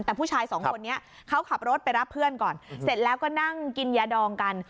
แต่ผู้ชายสองคนนี้เขาขับรถไปรับเพื่อนก่อนเสร็จแล้วก็นั่งกินยาดองกัน